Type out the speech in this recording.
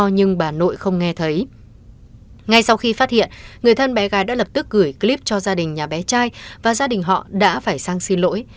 ngay sau khi phát hiện người thân bé gái đã lập tức gửi clip cho gia đình nhà bé trai và gia đình họ đã phải sang xin lỗi